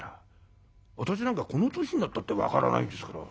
私なんかこの年になったって分からないんですから。